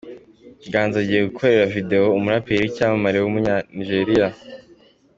Ganza agiye gukorera Videwo umuraperi w’icyamamare w’Umunyanijeriya